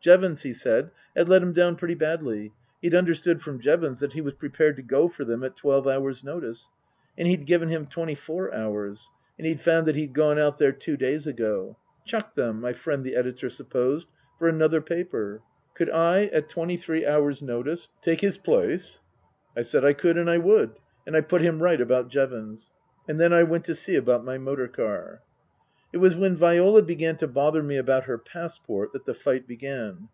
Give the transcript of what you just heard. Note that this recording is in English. Jevons, he said, had let him down pretty badly ; he'd understood from Jevons that he was prepared to go for them at twelve hours' notice. And he'd given him twenty four hours ; and he'd found that he'd gone out there two days ago. Chucked them, my friend the editor supposed, for another paper. Could I, at twenty three hours' notice, take his place ? I said I could and I would, and I put him right about Jevons. And then I went to see about my motor car. It was when Viola began to bother me about her passport that the fight began.